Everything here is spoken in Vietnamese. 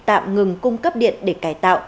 tạm ngừng cung cấp điện để cải tạo